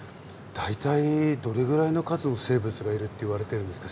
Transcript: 大体どれぐらいの数の生物がいるっていわれてるんですか？